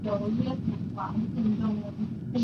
李敏是一名中国女子花样游泳运动员。